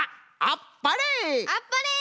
あっぱれ！